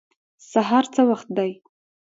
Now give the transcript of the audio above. سهار څه وخت دی؟